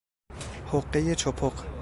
حقهی چپق